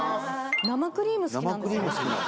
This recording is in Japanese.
生クリーム好きなんですね